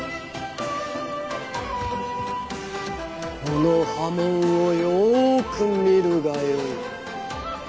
この刃文をよーく見るがよい。